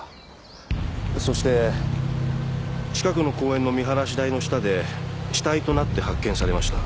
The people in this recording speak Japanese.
そして近くの公園の見晴らし台の下で死体となって発見されました。